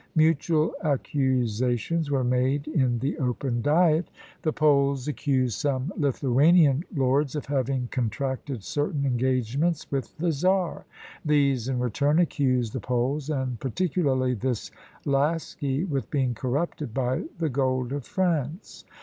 Mutual accusations were made in the open diet: the Poles accused some Lithuanian lords of having contracted certain engagements with the czar; these in return accused the Poles, and particularly this Lasky, with being corrupted by the gold of France.